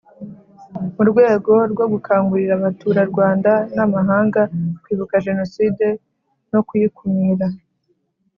Mu rwego rwo gukangurira Abaturarwanda n amahanga Kwibuka Jenoside no kuyikumira